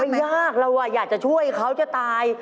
ยากเราอยากจะช่วยเขาจะตาย